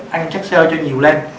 ăn chất sơ cho nhiều lên